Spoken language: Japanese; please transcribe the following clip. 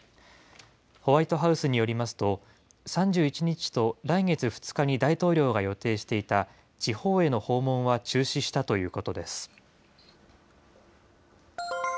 ホワイトハウスによりますと、３１日と来月２日に大統領が予定していた地方への訪問は中止したということです。